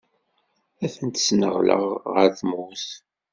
Ad ten-sneɣleɣ ɣer tmurt.